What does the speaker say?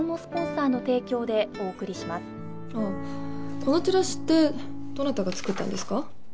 このチラシってどなたが作ったんですか？